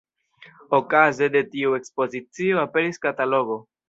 Okaze de tiu ekspozicio aperis katalogo.